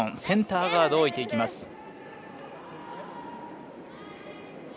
センターガードを置いてきます。